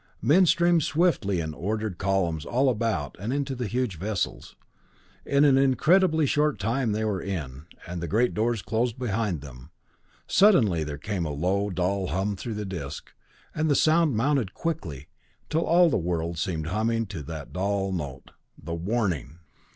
Men streamed swiftly in ordered columns all about and into the huge vessels. In an incredibly short time they were in, and the great doors closed behind them. Suddenly there came a low, dull hum through the disc, and the sound mounted quickly, till all the world seemed humming to that dull note. The warning!